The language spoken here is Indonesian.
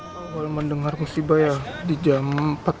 saya dengar musibah ya di jam empat belas empat puluh tiga